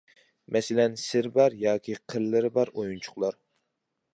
مەسىلەن : سىرى بار ياكى قىرلىرى بار ئويۇنچۇقلار.